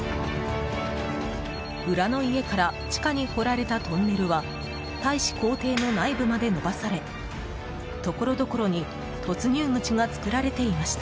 裏の家から地下に掘られたトンネルは大使公邸の内部まで延ばされところどころに突入口が作られていました。